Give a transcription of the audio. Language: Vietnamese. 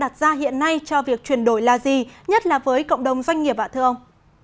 thách thức đang đặt ra hiện nay cho việc chuyển đổi là gì nhất là với cộng đồng doanh nghiệp ạ thưa ông